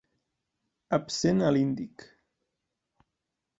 Absent a l'Índic.